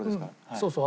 そうそう。